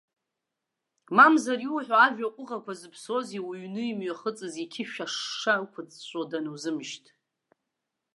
Мамзар, иуҳәо ажәа ҟәыӷақәа зыԥсоузеи уҩны имҩахыҵыз иқьышә ашша ықәыҵәҵәо данузымшьҭ.